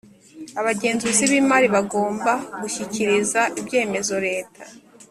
Abagenzuzi b imari bagomba gushyikiriza ibyemezo leta